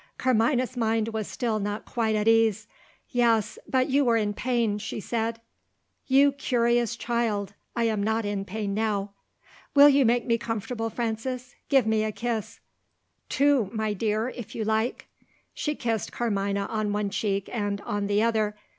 Carmina's mind was still not quite at ease. "Yes but you were in pain," she said. "You curious child! I am not in pain now." "Will you make me comfortable, Frances? Give me a kiss." "Two, my dear if you like." She kissed Carmina on one cheek and on the other.